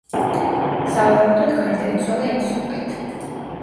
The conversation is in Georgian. სავარაუდოდ გარდაიცვალა ინსულტით.